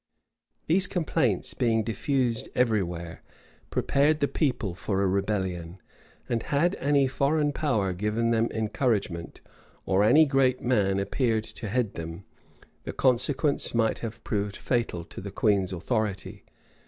These complaints being diffused every where, prepared the people for a rebellion; and had any foreign power given them encouragement, or any great man appeared to head them, the consequence might have proved fatal to the queen's authority.